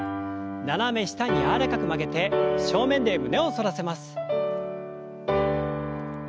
斜め下に柔らかく曲げて正面で胸を反らせます。